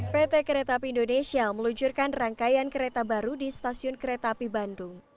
pt kereta api indonesia meluncurkan rangkaian kereta baru di stasiun kereta api bandung